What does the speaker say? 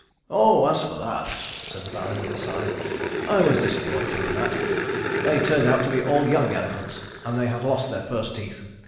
"Oh, as for that!" said the Baron, with a sigh, "I was disappointed in that. They turned out to be all young elephants, and they had lost their first teeth.